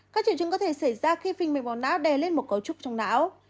các triệu chứng có thể xảy ra khi phình mồi máu não đè lên một cấu trúc trong não